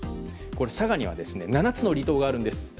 佐賀には７つの離島があるんです。